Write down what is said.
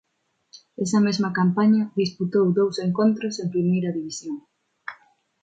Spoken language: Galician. Esa mesma campaña disputou dous encontros en Primeira División.